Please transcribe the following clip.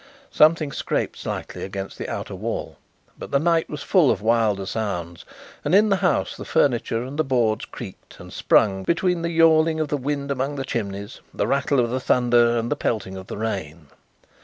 Something scraped slightly against the outer wall. But the night was full of wilder sounds, and in the house the furniture and the boards creaked and sprung between the yawling of the wind among the chimneys, the rattle of the thunder and the pelting of the rain.